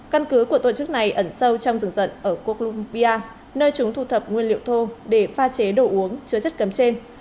căn cứ của tổ chức này ẩn sâu trong rừng rận ở colombia nơi chúng thu thập nguyên liệu thô để pha chế đồ uống chứa chất cấm trên